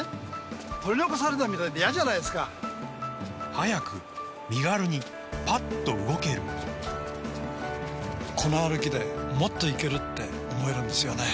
早く身軽にパッと動けるこの歩きでもっといける！って思えるんですよね